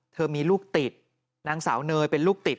เธอมีลูกติดนางสาวเนยเป็นลูกติด